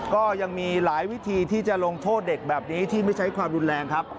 ก็ยังมีหลายวิธีที่จะลงโทษเด็กแบบนี้ที่ไม่ใช้ความรุนแรงครับ